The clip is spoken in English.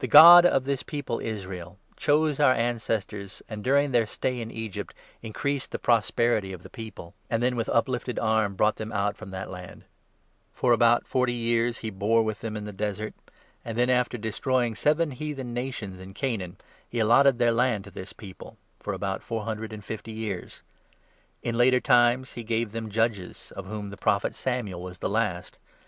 The God of this people Israel chose 17 our ancestors, and during their stay in Egypt increased the prosperity of the people, and then ' with uplifted arm brought them out from that land.' For about rorty years ' he bore with 18 10 Hos. 14. 9. » Exod. 6. 6. W Deut. i. 31. THE ACTS, 13. 239 them in the Desert '; then, after destroying seven heathen 19 nations in Canaan, he allotted their land to this people — for about four hundred and fifty years. In later times he gave 20 them Judges, of whom the Prophet Samuel was the last.